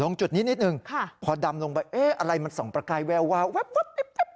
ลงจุดนิดนิดนึงค่ะพอดำลงไปเอ๊ะอะไรมันส่องประกายแหววไว้